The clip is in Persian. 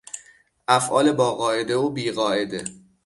افعال با قاعده و بی قاعده